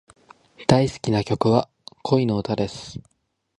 大好きな曲は、恋の歌です。